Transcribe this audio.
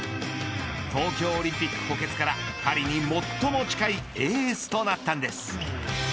東京オリンピック補欠からパリに最も近いエースとなったんです。